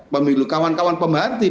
pemilu kawan kawan pembaharti